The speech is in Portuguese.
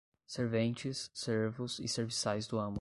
Serventes, servos e serviçais do amo